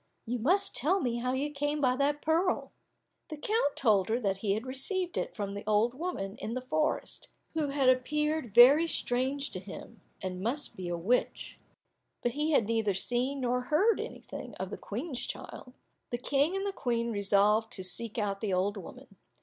You must tell me how you came by that pearl." The count told her that he had received it from the old woman in the forest, who had appeared very strange to him, and must be a witch, but he had neither seen nor hear anything of the Queen's child. The King and the Queen resolved to seek out the old woman.